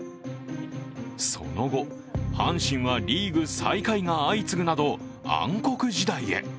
その後、阪神はリーグ最下位が相次ぐなど暗黒時代へ。